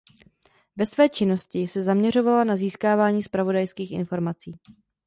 Ve své činnosti se zaměřovala na získávání zpravodajských informací.